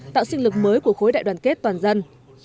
tạo sinh lực mới của khối đại đoàn kết toàn dân